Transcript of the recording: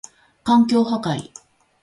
環境破壊